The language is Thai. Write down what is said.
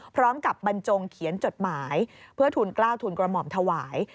บรรจงเขียนจดหมายเพื่อทุนกล้าวทุนกระหม่อมถวาย